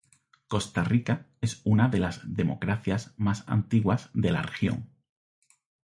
Costa Rica es una de las democracias más antiguas de la región.